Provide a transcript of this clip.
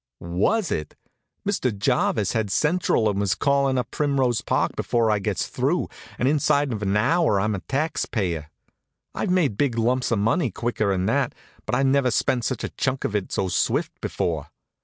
Was it? Mr. Jarvis had central and was callin' up Primrose Park before I gets through, and inside of an hour I'm a taxpayer. I've made big lumps of money quicker'n that, but I never spent such a chunk of it so swift before.